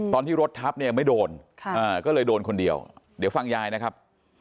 ตอนที่รถทับเนี่ยไม่โดนก็เลยโดนคนเดียวเดี๋ยวฟังยายนะครับ